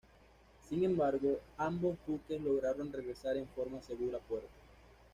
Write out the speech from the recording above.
Sin embargo, ambos buques lograron regresar en forma segura a puerto.